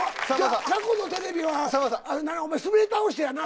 過去のテレビはスベり倒してやな。